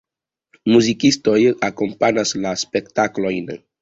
Muzikistoj akompanas la spektaklojn.